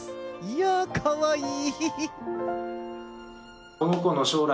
いやー、かわいい！